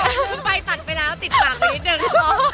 อ๋อคือไฟตัดไปแล้วติดปากนิดนึง